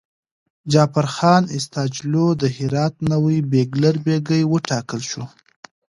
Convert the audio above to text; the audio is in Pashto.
جعفرخان استاجلو د هرات نوی بیګلربيګي وټاکل شو.